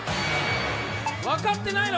分かってないの？